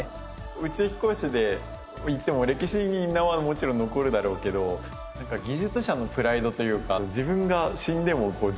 宇宙飛行士で行っても歴史に名はもちろん残るだろうけどなんか技術者のプライドというか。